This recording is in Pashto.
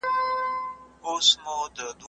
رسنۍ د ټولنې په پوهاوي کې خورا مهم رول لوبوي.